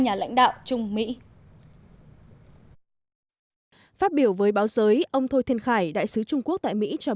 nhà lãnh đạo trung mỹ phát biểu với báo giới ông thôi thiên khải đại sứ trung quốc tại mỹ cho